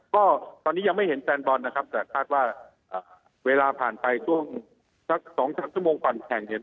ก็ตอนนี้ยังไม่เห็นแซลน์บอลนะครับแต่ว่าเวลาผ่านไปตรงสัก๒๓ชั่วโมงก่อนแข่ง